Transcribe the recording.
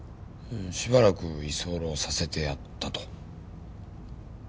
しばらく居候させてやったと。